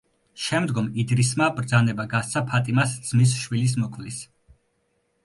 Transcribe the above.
შემდგომ იდრისმა ბრძანება გასცა ფატიმას ძმის შვილის მოკვლის.